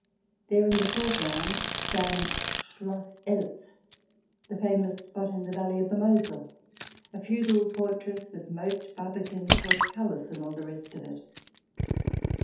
There, in the foreground, stands Schloss Eltz, the famous spot in the valley of the Mosel, a feudal fortress with moat, barbican, portcullis, and all the rest of it.